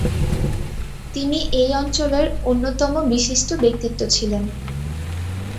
তিনি এই অঞ্চলের অন্যতম বিশিষ্ট ব্যক্তিত্ব ছিলেন।